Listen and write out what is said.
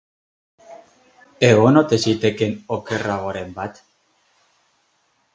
Egon ote zitekeen okerragoren bat?